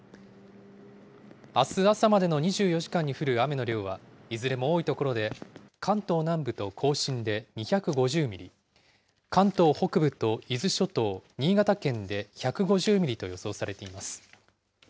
あす朝までの２４時間に降る雨の量は、いずれも多い所で、関東南部と甲信で２５０ミリ、関東北部と伊豆諸島、新潟県で１５０ミリと予想されています。